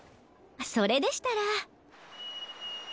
それでしたら。